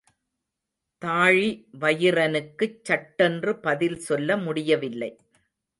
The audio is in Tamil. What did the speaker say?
தாழிவயிறனுக்குச் சட்டென்று பதில் சொல்ல முடியவில்லை.